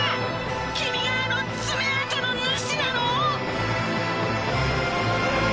君があの爪痕の主なの⁉